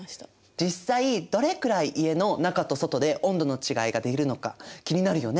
実際どれくらい家の中と外で温度の違いが出るのか気になるよね？